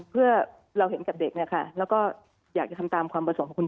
เพื่อเราเห็นกับเด็กเนี่ยค่ะแล้วก็อยากจะทำตามความประสงค์ของคุณ